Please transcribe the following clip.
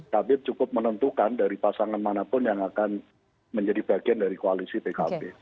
tapi cukup menentukan dari pasangan manapun yang akan menjadi bagian dari koalisi pkb